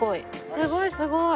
すごいすごい！